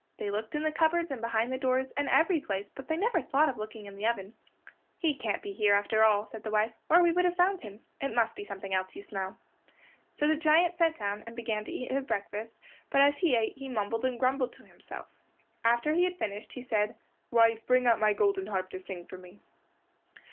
They looked in the cupboards and behind the doors, and every place, but they never thought of looking in the oven. "He can't be here after all," said the wife, "or we would have found him. It must be something else you smell." So the giant sat down and began to eat his breakfast, but as he ate he mumbled and grumbled to himself. After he had finished he said, "Wife, bring out my golden harp to sing for me."